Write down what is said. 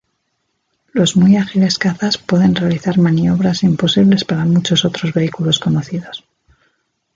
Los muy ágiles cazas pueden realizar maniobras imposibles para muchos otros vehículos conocidos.